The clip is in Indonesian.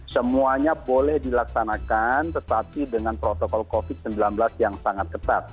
semuanya boleh dilaksanakan tetapi dengan protokol covid sembilan belas yang sangat ketat